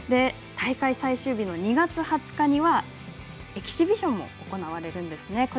大会最終日の２月２０日にはエキシビションも行われるんですね。